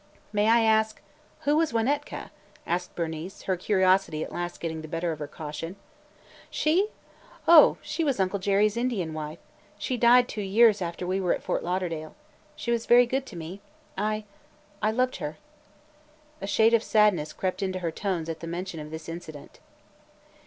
"May I ask – who was Wanetka?" asked Bernice, her curiosity at last getting the better of her caution. "She? Oh, she was Uncle Jerry's Indian wife. She died two years after we were at Fort Lauderdale. She was very good to me. I – I loved her." A shade of sadness crept into her tones at the mention of this incident.